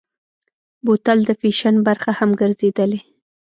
بوتل د فیشن برخه هم ګرځېدلې.